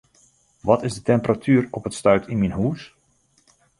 Wat is de temperatuer op it stuit yn myn hûs?